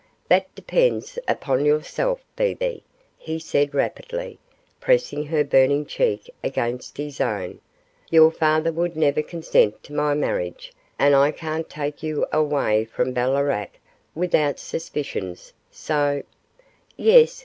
'That depends upon yourself, Bebe,' he said rapidly, pressing her burning cheek against his own; 'your father would never consent to my marriage, and I can't take you away from Ballarat without suspicions, so ' 'Yes?